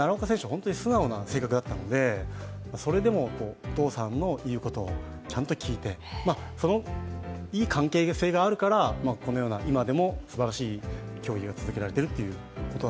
すごい素直な性格なのでそれでもお父さんの言うことをちゃんと聞いてそのいい関係性があるから、このような今でもすばらしい供与は続けられている。